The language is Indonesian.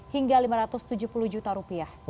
hingga lima ratus tujuh puluh juta rupiah